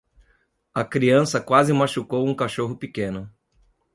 A criança quase machucou um cachorro pequeno.